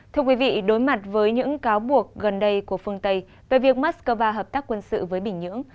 thưa quý vị đối mặt với những cáo buộc gần đây của phương tây về việc moscow hợp tác quân sự với bình nhưỡng